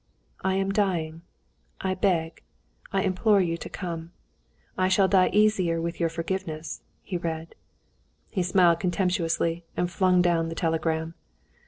"I am dying; I beg, I implore you to come. I shall die easier with your forgiveness," he read. He smiled contemptuously, and flung down the telegram.